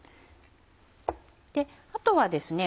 あとはですね